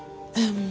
うん。